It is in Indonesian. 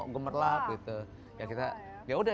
gemerlap gitu ya kita ya udah